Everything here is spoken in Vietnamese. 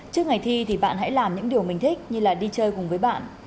trước ngày thi thì bạn hãy làm những điều mình thích như là đi chơi cùng với bạn